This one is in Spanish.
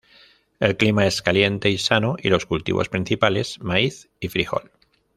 El clima es caliente y sano; y los cultivos principales: maíz y frijol.